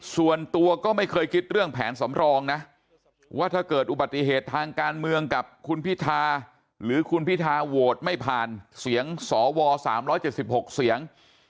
ส่วนตัวก็ไม่เคยคิดเรื่องแผนสำรองนะว่าถ้าเกิดอุบัติเหตุทางการเมืองกับคุณพิธาหรือคุณพิธาโหวตไม่ผ่านเสียงสว๓๗๖เสียง